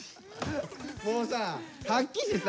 もうさはっきしさ